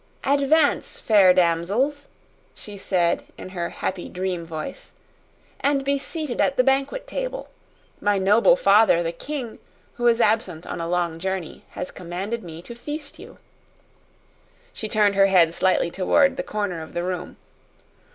"Advance, fair damsels," she said in her happy dream voice, "and be seated at the banquet table. My noble father, the king, who is absent on a long journey, has commanded me to feast you." She turned her head slightly toward the corner of the room.